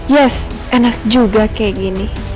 yes enak juga kayak gini